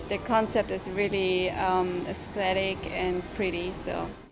karena konsepnya sangat estetik dan cantik